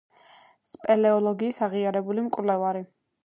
სპელეოლოგიის აღიარებული მკვლევარი.